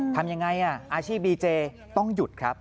ทำยังไงอาชีพดีเจต้องหยุดครับ